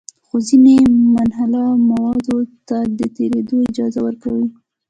خو ځینې منحله موادو ته د تېرېدو اجازه ورکوي.